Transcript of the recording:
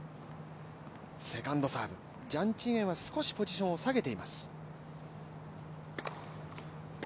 セカンドサーブジャン・チンウェンは少しポジションを下げています。